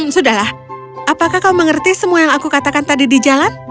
sudahlah apakah kau mengerti semua yang aku katakan tadi di jalan